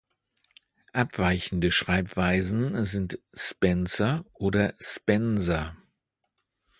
Abweichende Schreibweisen sind Spencer oder Spenser.